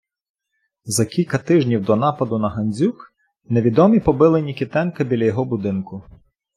За кілька тижнів до нападу на Гандзюк невідомі побили Нікітенка біля його будинку.